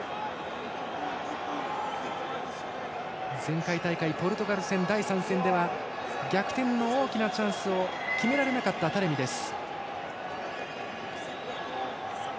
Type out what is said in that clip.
前回大会、ポルトガル戦第３戦では逆転の大きなチャンスを決められなかったタレミです。